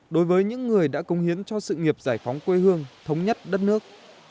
đối với những người đã công hiến cho sự nghiệp giải phóng quê hương thống nhất đất nước